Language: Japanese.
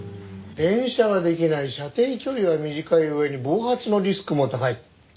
連射はできない射程距離は短い上に暴発のリスクも高い。